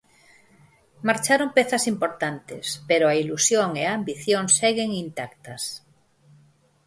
Marcharon pezas importantes, pero a ilusión e a ambición seguen intactas.